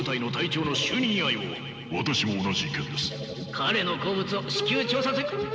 彼の好物を至急調査す。